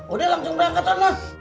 udah langsung berangkat ma